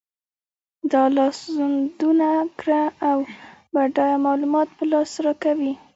دا لاسوندونه کره او بډایه معلومات په لاس راکوي.